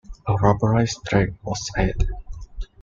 A rubberized track was added.